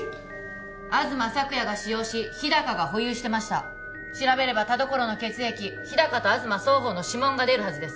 東朔也が使用し日高が保有してました調べれば田所の血液日高と東双方の指紋が出るはずです